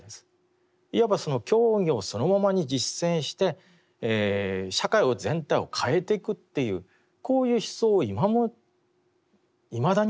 いわば教義をそのままに実践して社会全体を変えていくっていうこういう思想をいまだに持っているんですね。